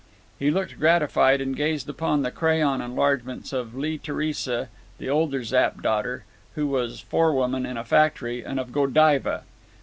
He looked gratified and gazed upon the crayon enlargements of Lee Theresa, the older Zapp daughter (who was forewoman in a factory), and of Godiva.